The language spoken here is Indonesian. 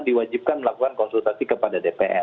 diwajibkan melakukan konsultasi kepada dpr